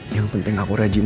yang penting aku rajin